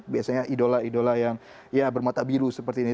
biasanya idola idola yang bermata biru seperti ini